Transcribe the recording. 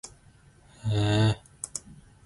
Leli komiti lizobheka izinto ezithinta le minyango.